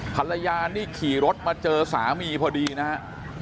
ภรรยานี่ขี่รถมาเจอสามีพอดีนะฮะ